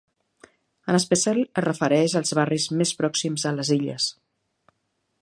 En especial es refereix als barris més pròxims a les illes.